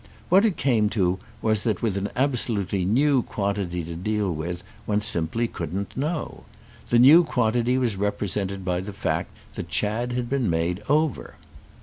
What it came to was that with an absolutely new quantity to deal with one simply couldn't know. The new quantity was represented by the fact that Chad had been made over.